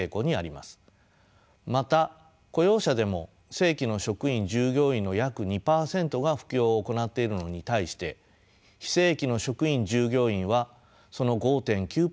また雇用者でも正規の職員従業員の約２％が副業を行っているのに対して非正規の職員従業員はその５．９％が副業を持っています。